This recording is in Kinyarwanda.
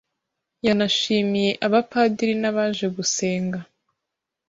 yanashimiye abapadiri n'abaje gusenga